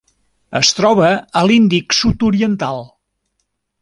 Es troba a l'Índic sud-oriental: